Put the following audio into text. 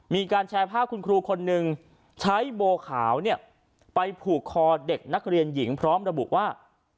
มีการแชร์ภาพคุณครูคนนึงใช้โบขาวเนี่ยไปผูกคอเด็กนักเรียนหญิงพร้อมระบุว่า